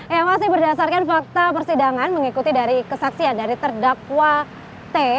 yang masih berdasarkan fakta persidangan mengikuti dari kesaksian dari terdakwate